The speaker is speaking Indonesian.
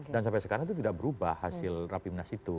dan sampai sekarang itu tidak berubah hasil rapimnas itu